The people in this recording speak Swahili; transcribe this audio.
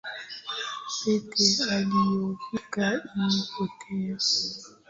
Pete aliyovikwa imepotea